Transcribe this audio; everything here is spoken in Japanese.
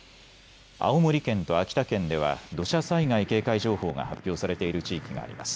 青森県と秋田県では土砂災害警戒情報が発表されている地域があります。